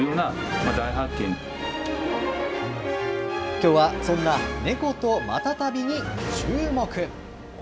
きょうは、そんな猫とマタタビにチューモク！